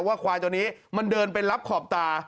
ควายตัวนี้มันเดินไปรับขอบตา